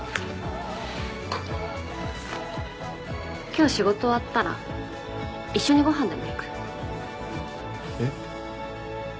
今日仕事終わったら一緒にご飯でも行く？えっ？